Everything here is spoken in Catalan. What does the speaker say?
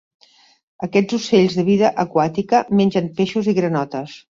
Aquests ocells de vida aquàtica, mengen peixos i granotes.